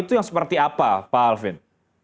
itu yang seperti apa pak alvin